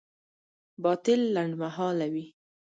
باطل لنډمهاله وي.